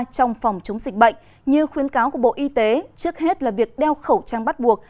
trong phòng chống dịch bệnh như khuyến cáo của bộ y tế trước hết là việc đeo khẩu trang bắt buộc